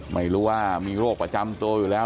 ไม่รู้ว่ามีโรคประจำตัวอยู่แล้ว